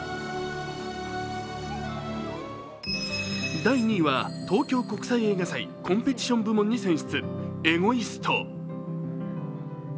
第２位は東京国際映画祭コンペティション部門に選出。